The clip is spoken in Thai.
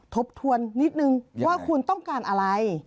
ทบทวนนิดนึงว่าคุณต้องการอะไร